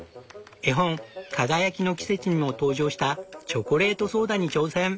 絵本「輝きの季節」にも登場したチョコレートソーダに挑戦！